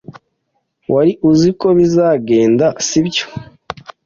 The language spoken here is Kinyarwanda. Wari uzi uko bizagenda, sibyo?